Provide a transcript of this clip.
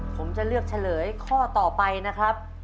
ผมจะเลือกเฉลยข้อต่อไปนะครับ